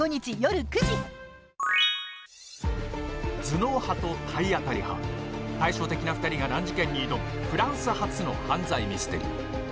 頭脳派と体当たり派対照的な２人が難事件に挑むフランス発の犯罪ミステリー。